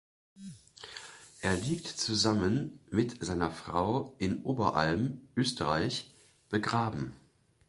Er liegt zusammen mit seiner Frau in Oberalm, Österreich, begraben.